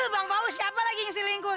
bang paus siapa lagi yang selingkuh